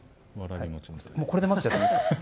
これで混ぜちゃっていいんですか。